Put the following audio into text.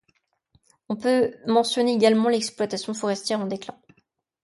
On peut mentionner également l'exploitation forestière, en déclin.